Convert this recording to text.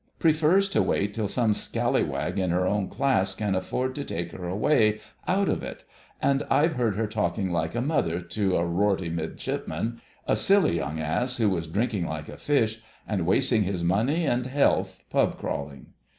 Prefers to wait till some scallywag in her own class can afford to take her away out of it. And I've heard her talking like a Mother to a rorty Midshipman—a silly young ass who was drinking like a fish and wasting his money and health pub crawling.